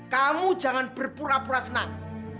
kamu jangan berpura pura senang